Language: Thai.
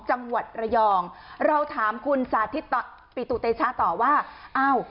จังหวัดระยองเราถามคุณสาธิตปิตุเตชะต่อว่าอ้าว